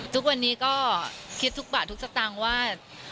ทุกวันนี้ก็คิดทุกบาททุกสตางค์ว่า